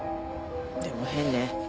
でも変ね。